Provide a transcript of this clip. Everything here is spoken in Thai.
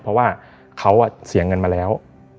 เพราะว่าเขาเสียเงินมาแล้ว